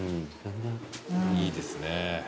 いいですね。